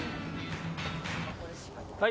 はい。